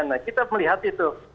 nah kita melihat itu